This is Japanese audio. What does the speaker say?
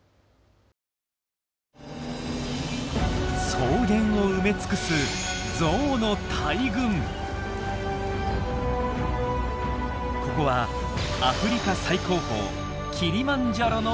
草原を埋め尽くすここはアフリカ最高峰キリマンジャロのふもと。